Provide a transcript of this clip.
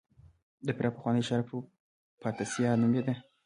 د فراه پخوانی ښار پروفتاسیا نومېده